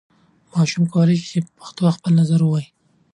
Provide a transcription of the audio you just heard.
ماشوم کولای سي په پښتو خپل نظر ووايي.